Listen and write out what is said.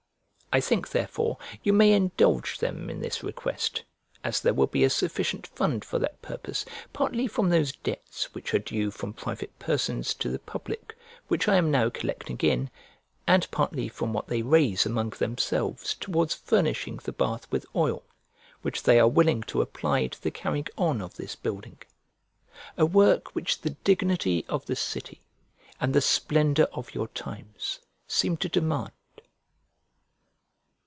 I think, therefore, you may indulge them in this request, as there will be a sufficient fund for that purpose, partly from those debts which are due from private persons to the public which I am now collecting in; and partly from what they raise among themselves towards furnishing the bath with oil, which they are willing to apply to the carrying on of this building; a work which the dignity of the city and the splendour of your times seem to demand.